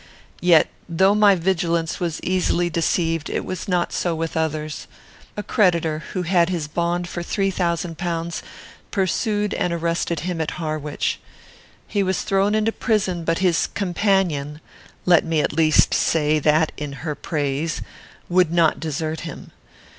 "Yet, though my vigilance was easily deceived, it was not so with others. A creditor, who had his bond for three thousand pounds, pursued and arrested him at Harwich. He was thrown into prison, but his companion let me, at least, say that in her praise would not desert him.